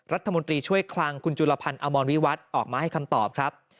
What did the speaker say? รัฐมนตรีช่วยคลังคุณจุลพันธ์อมรวิวัฒน์ออกมาให้คำตอบครับ